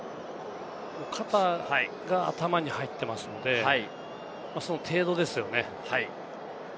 肩が頭に入っていますので、その程度ですよね。